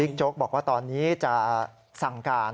โจ๊กบอกว่าตอนนี้จะสั่งการ